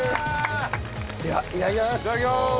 ではいただきます。